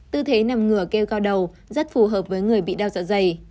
tư thế nằm ngửa kêu cao đầu rất phù hợp với người bị đau dạ dày